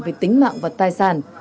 về tính mạng và tài sản